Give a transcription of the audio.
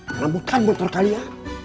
karena bukan motor kalian